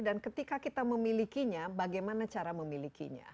dan ketika kita memilikinya bagaimana cara memilikinya